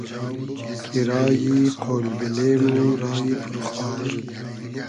کی رایی قۉل بیلې مۉ رایی پور خار